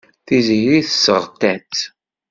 Tiziri tesseɣta-tt.